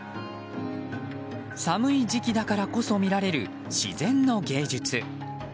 寒い時期だからこそ見られる自然の芸術。